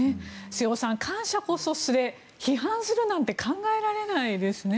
瀬尾さん、感謝こそすれ批判するなんて考えられないですね。